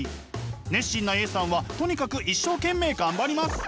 熱心なＡさんはとにかく一生懸命頑張ります。